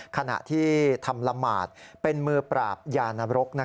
ขณะที่ทำละหมาดเป็นมือปราบยานรก